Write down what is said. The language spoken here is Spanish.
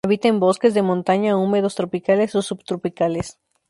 Habita en bosques de montaña húmedos tropicales o subtropicales.